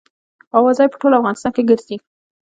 اوازه یې په ټول افغانستان کې ګرزي.